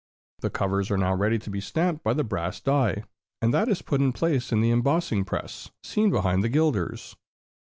The covers are now ready to be stamped by the brass die, and that is put in place in the embossing press, seen behind the gilders.